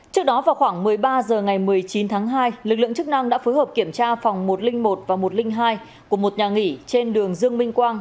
trước đó vào khoảng một mươi ba h ngày một mươi chín tháng hai lực lượng chức năng đã phối hợp kiểm tra phòng một trăm linh một và một trăm linh hai của một nhà nghỉ trên đường dương minh quang